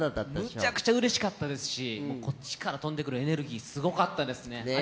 むちゃくちゃうれしかったですし、こっちから飛んでくるエネルギーすごかったですね。